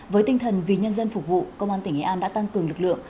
với tinh thần vì nhân dân phục vụ công an tỉnh nghệ an đã tăng cường lực lượng